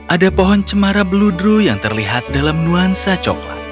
ada pohon cemara bluedru yang terlihat dalam nuansa coklat